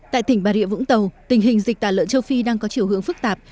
tại tỉnh bà rịa vũng tàu tình hình dịch tả lợn châu phi đang có chiều hướng phức tạp